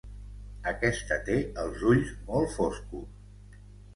Aquesta té els ulls molt foscos.